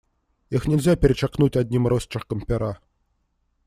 Их нельзя перечеркнуть одним росчерком пера.